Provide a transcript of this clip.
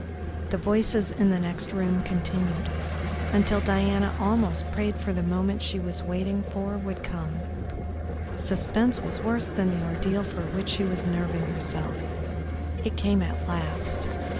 The voices in the next room continued, until Diana almost prayed for the moment she was waiting for would come; suspense was worse than the ordeal for which she was nerving herself, It came at last.